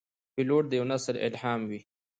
پیلوټ د یوه نسل الهام وي.